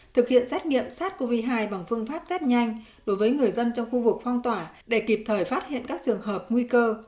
thực hiện xét nghiệm sars cov hai bằng phương pháp test nhanh đối với người dân trong khu vực phong tỏa để kịp thời phát hiện các trường hợp nguy cơ